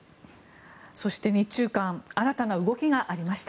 そして、日中間新たな動きがありました。